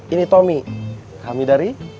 ini tommy kami dari